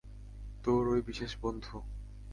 তোর ঐ বিশেষ বন্ধু।